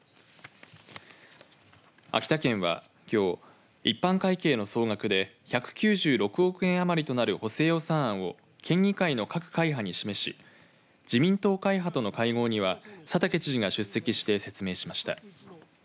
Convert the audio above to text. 秋田県は、きょう一般会計の総額で１９６億円余りとなる補正予算案を県議会の各会派に示し自民党会派との会合には佐竹知事が出席して説明しました。